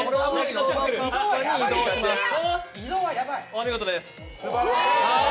お見事です。